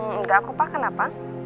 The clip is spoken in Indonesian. enggak pak kenapa